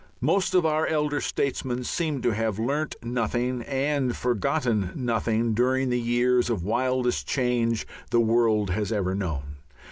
Most of our elder statesmen seem to have learnt nothing and forgotten nothing during the years of wildest change the world has ever known.